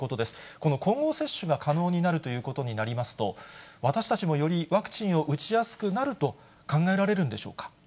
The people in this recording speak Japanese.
この混合接種が可能になるということになりますと、私たちもよりワクチンを打ちやすくなると考えられるんでしょうか。